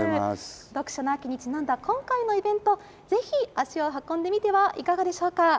読書の秋にちなんだ今回のイベント、ぜひ足を運んでみてはいかがでしょうか。